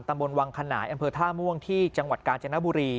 มนต์วังขนายอำเภอท่าม่วงที่จังหวัดกาญจนบุรี